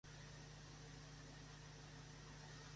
Separa la costa de Graham al norte, de la costa Loubet al sur.